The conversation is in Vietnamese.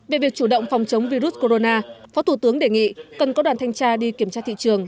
về việc chủ động phòng chống virus corona phó thủ tướng đề nghị cần có đoàn thanh tra đi kiểm tra thị trường